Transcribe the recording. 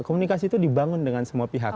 kepada jokowi itu dibangun dengan semua pihak